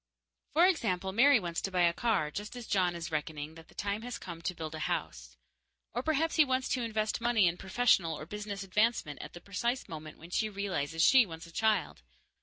For example, Mary wants to buy a car, just as John is reckoning that the time has come to build a house. Or perhaps he wants to invest money in professional or business advancement at the precise moment when she realizes she wants a child.